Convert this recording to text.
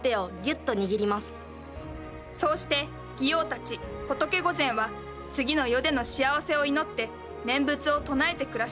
そうして王たち仏御前は次の世での幸せを祈って念仏を唱えて暮らしました。